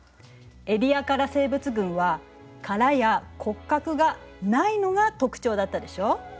エディアカラ生物群は殻や骨格がないのが特徴だったでしょ？